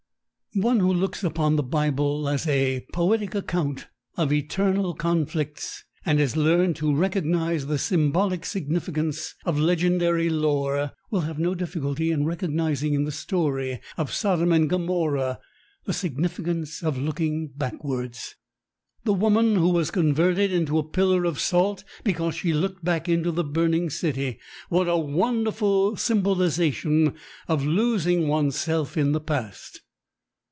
One who looks upon the Bible as a poetic account of eternal conflicts and has learned to recognise the symbolic significance of legendary lore will have no difficulty in recognizing in the story of Sodom and Gomorrah the significance of looking backwards. The woman who was converted into a pillar of salt because she looked back into the burning city what a wonderful symbolisation of losing oneself in the past!